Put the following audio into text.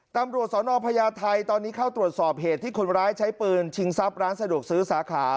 ตำรวจสนพญาไทยตอนนี้เข้าตรวจสอบเหตุที่คนร้ายใช้ปืนชิงทรัพย์ร้านสะดวกซื้อสาขา